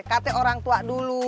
kata orang tua dulu